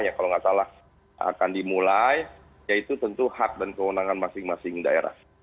ya kalau nggak salah akan dimulai yaitu tentu hak dan kewenangan masing masing daerah